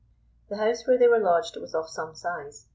The house where they were lodged was of some size.